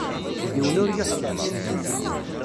Yiwen ur yuḥtam.